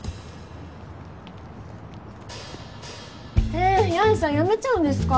えぇ八重さん辞めちゃうんですか？